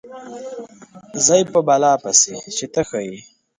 ځای په بلا پسې چې ته ښه یې.